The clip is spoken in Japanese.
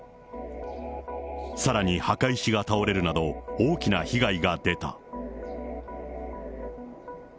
さらに墓石が倒れるなど、大きな被害が出た。